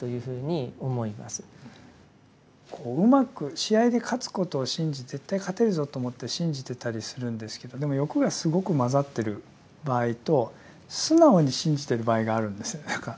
こううまく試合に勝つことを信じて絶対勝てるぞと思って信じてたりするんですけどでも欲がすごく混ざってる場合と素直に信じてる場合があるんですよね何か。